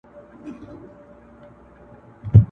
تېر سو زموږ له سیمي، څه پوښتې چي کاروان څه ویل،